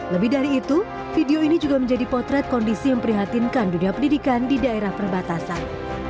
lebih dari itu video ini juga menjadi potret kondisi memprihatinkan dunia pendidikan di daerah perbatasan